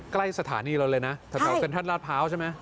ใกล้สถานีเราเลยนะแถวเซ็นทรัลลาดพร้าวใช่ไหม